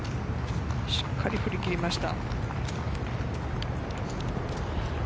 しっかり振り切りました。